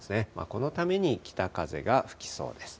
このために北風が吹きそうです。